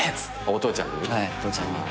お父ちゃんに。